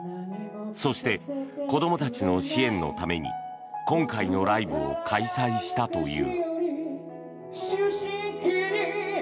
そして子どもたちの支援のために今回のライブを開催したという。